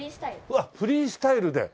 うわっフリースタイルで。